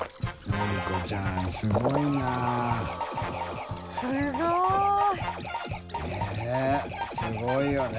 佑すごいよね。